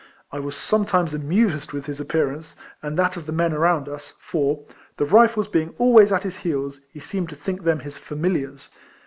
I was sometimes amused with his appearance, and that of the men around us; for, the Rifles being always at his heels, he seemed to think them his familiars.